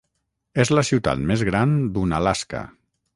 És la ciutat més gran d'Unalaska.